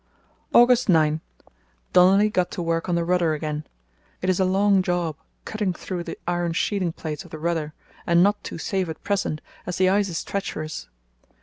"August 9.—Donolly got to work on the rudder again. It is a long job cutting through the iron sheathing plates of the rudder, and not too safe at present, as the ice is treacherous.